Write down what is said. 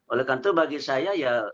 oleh karena itu bagi saya ya